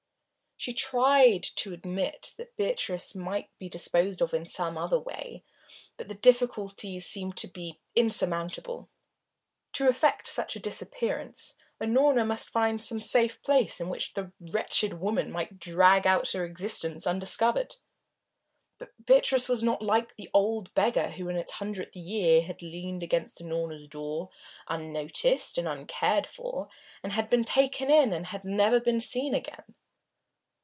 She tried to admit that Beatrice might be disposed of in some other way, but the difficulties seemed to be insurmountable. To effect such a disappearance Unorna must find some safe place in which the wretched woman might drag out her existence undiscovered. But Beatrice was not like the old beggar who in his hundredth year had leaned against Unorna's door, unnoticed and uncared for, and had been taken in and had never been seen again.